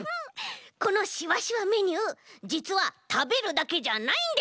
このしわしわメニューじつはたべるだけじゃないんです。